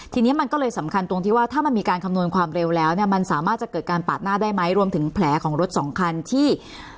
ทีนี้มันก็เลยสำคัญตรงที่ว่าถ้ามันมีการคำนวณความเร็วแล้วเนี่ยมันสามารถจะเกิดการปาดหน้าได้ไหมรวมถึงแผลของรถสองคันที่